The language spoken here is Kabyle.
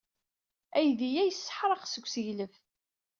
Aydi-a yesseḥraq seg usseglef.